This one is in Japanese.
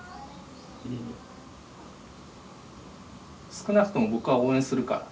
少なくとも僕は応援するから。